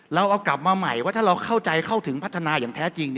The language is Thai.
เราเอากลับมาใหม่ว่าถ้าเราเข้าใจเข้าถึงพัฒนาอย่างแท้จริง